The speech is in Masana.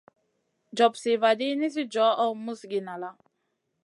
Jopsiy vaɗi, nisi johʼo musgi nala.